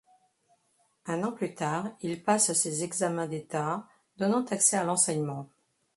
Un an plus tard il passe ses examens d'État, donnant accès à l'enseignement.